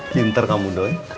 ginter kamu don